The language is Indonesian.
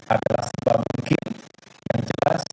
adalah sebuah mungkin yang jelas